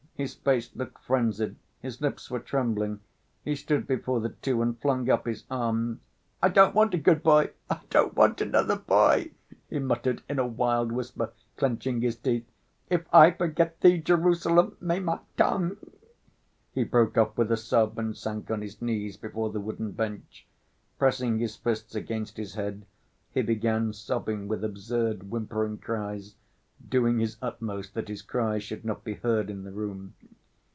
His face looked frenzied, his lips were trembling. He stood before the two and flung up his arms. "I don't want a good boy! I don't want another boy!" he muttered in a wild whisper, clenching his teeth. "If I forget thee, Jerusalem, may my tongue—" He broke off with a sob and sank on his knees before the wooden bench. Pressing his fists against his head, he began sobbing with absurd whimpering cries, doing his utmost that his cries should not be heard in the room.